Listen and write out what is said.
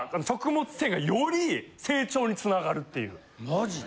マジで？